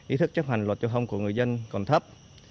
ý thức chấp hành luật giao thông của người dân còn thấp